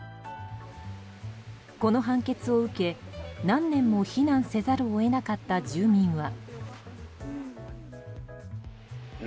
この判決を受け何年も避難せざるを得なかった住民は。